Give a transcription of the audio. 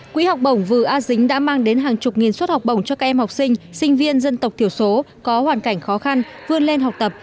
quỹ học bổng vừa a dính đã mang đến hàng chục nghìn suất học bổng cho các em học sinh sinh viên dân tộc thiểu số có hoàn cảnh khó khăn vươn lên học tập